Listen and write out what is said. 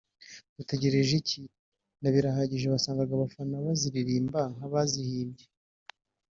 ’Dutegereje iki’ na ’Birahagije’ wasangaga abafana baziririmba nk’abazihimbye